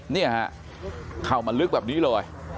นี่ฮะเข้ามาลึกแบบนี้เลย